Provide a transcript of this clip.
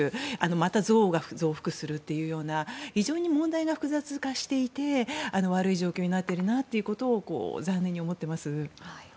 また憎悪が増幅するというような非常に問題が複雑化していて悪い状況になっているなと残念に思っています。